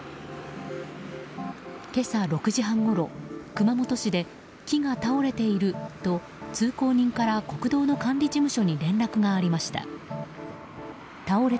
今朝６時半ごろ熊本市で、木が倒れていると通行人から国道の管理事務所に連絡がありました。